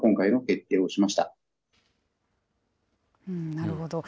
なるほど。